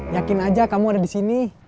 yakin aja kamu ada di sini